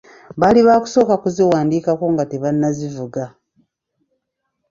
Baali bakusooka kuziwandiikako nga tebanazivuga.